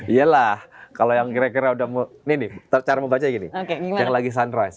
iya lah kalau yang kira kira udah mau ini nih cara mau baca gini yang lagi sunrise